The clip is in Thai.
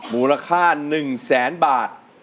มูลค่า๑๐๐๐๐๐บาท